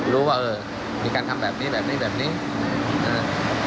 รู้ว่าเออมีการทำแบบนี้แบบนี้แบบนี้อ่า